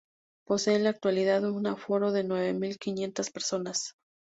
Posee en la actualidad un aforo de nueve mil quinientas personas.